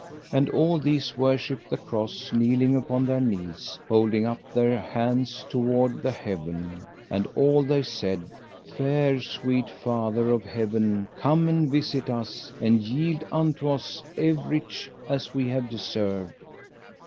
And all these worshipped the Cross, kneeling upon their knees, holding up their hands toward the heaven. And all they said: Fair sweet Father of heaven come and visit us, and yield unto us everych as we have deserved.